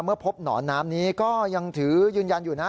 เมื่อพบหนอนน้ำนี้ก็ยังถือยืนยันอยู่นะ